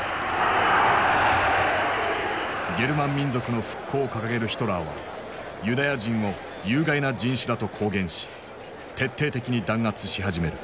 ゲルマン民族の復興を掲げるヒトラーはユダヤ人を「有害な人種」だと公言し徹底的に弾圧し始める。